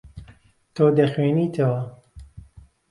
تۆ دەخوێنیتەوە.